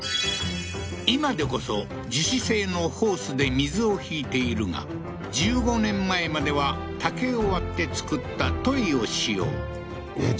今でこそ樹脂製のホースで水を引いているが１５年前までは竹を割って作った樋を使用えっ